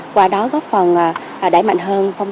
qua đó góp phần đẩy mạnh hơn